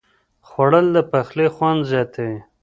خوړل د پخلي خوند زیاتوي